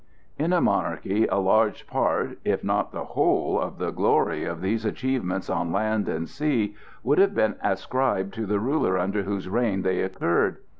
In a monarchy a large part if not the whole of the glory of these achievements on land and sea would have been ascribed to the ruler under whose reign they occurred.